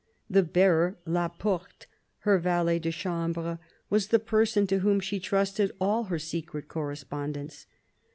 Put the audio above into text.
The bearer, La Porte, her valet de chambre, was the person to whom she trusted all her secret correspondence.